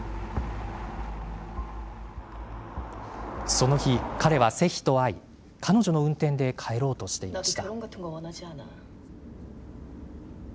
その日、彼はセヒと会い彼女の運転で帰ろうとしていました。